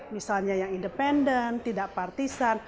misalnya yang independen tidak partisan